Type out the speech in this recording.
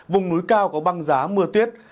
vùng núi cao có băng giá mưa tuyết